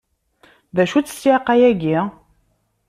D acu-tt ssiεqa-agi?